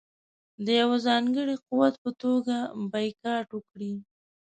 د یوه ځانګړي قوت په توګه بایکاټ وکړي.